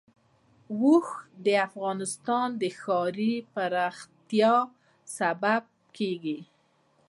اوښ د افغانستان د ښاري پراختیا سبب کېږي.